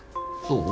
そう？